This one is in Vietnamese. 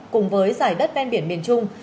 cùng với giải đất ven biển miền trung